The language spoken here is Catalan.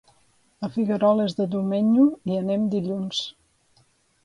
A Figueroles de Domenyo hi anem dilluns.